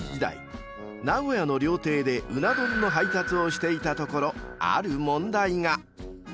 ［名古屋の料亭でうな丼の配達をしていたところある問題が］